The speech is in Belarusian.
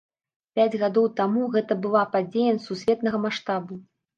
Пяць гадоў таму гэта была падзея сусветнага маштабу.